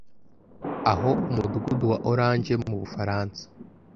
aho Umudugudu wa Orange mu Bufaransa